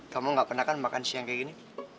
kamu gak pernah kan makan siang kayak gini